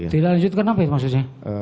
tidak lanjutkan apa maksudnya